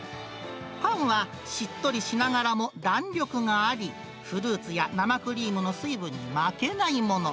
パンは、しっとりしながらも弾力があり、フルーツや生クリームの水分に負けないもの。